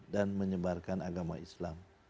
dan menyebarkan agama islam